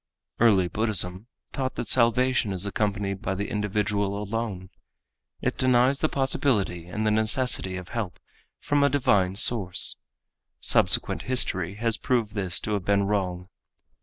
Early Buddhism taught that salvation is accomplished by the individual alone. It denies the possibility and the necessity of help from a divine source. Subsequent history has proved this to have been wrong.